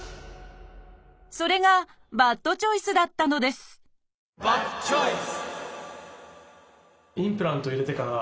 それがバッドチョイスだったのですバッドチョイス！